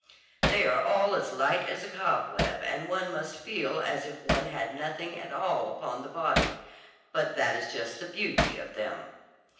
"They are all as light as a cobweb, and one must feel as if one had nothing at all upon the body; but that is just the beauty of them."